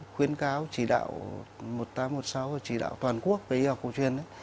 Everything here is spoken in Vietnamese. khuyến cáo chỉ đạo một nghìn tám trăm một mươi sáu và chỉ đạo toàn quốc về y học cổ truyền